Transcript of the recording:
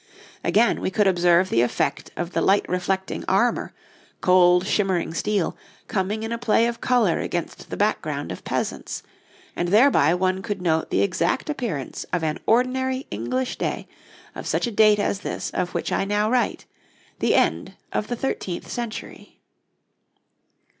Again, we could observe the effect of the light reflecting armour, cold, shimmering steel, coming in a play of colour against the background of peasants, and thereby one could note the exact appearance of an ordinary English day of such a date as this of which I now write, the end of the thirteenth century.